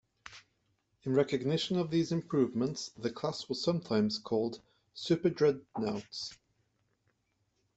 In recognition of these improvements, the class was sometimes called "super-dreadnoughts".